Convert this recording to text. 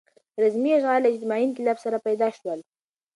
رزمي اشعار له اجتماعي انقلاب سره پیدا شول.